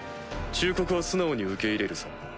忠告は素直に受け入れるさ。